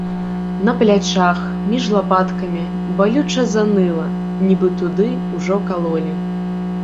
На плячах, між лапаткамі, балюча заныла, нібы туды ўжо калолі.